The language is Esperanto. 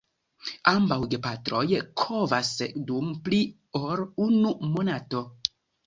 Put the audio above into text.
Ambaŭ gepatroj kovas dum pli ol unu monato.